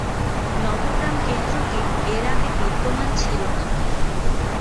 নবগ্রাম কেন্দ্রটি এর আগে বিদ্যমান ছিল না।